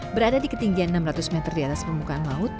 berada di ketinggian enam ratus meter di atas permukaan laut